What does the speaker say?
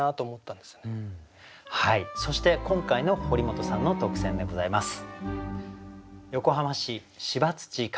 はいそして今回の堀本さんの特選でございます。